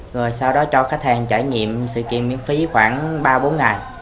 rồi sau đó cho khách hàng trải nghiệm sự kiện miễn phí khoảng ba bốn ngày